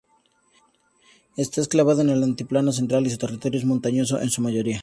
Está enclavado en el Altiplano Central y su territorio es montañoso en su mayoría.